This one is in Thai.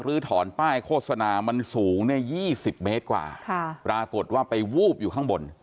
ื้อถอนป้ายโฆษณามันสูงเนี่ย๒๐เมตรกว่าปรากฏว่าไปวูบอยู่ข้างบน